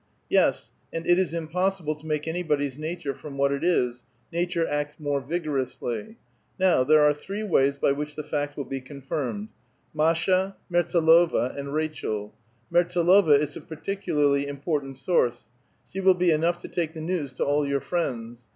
Yes, and it is impossible to make anybody's nature different from what it is ; nature acts more vigorouslj'. Now, there are three ways by which the fact will be confirmed, — Masha, Merts^lova, and Rachel. Mert s&lova is a particularly important source. She will be enough to take the news to all your friends.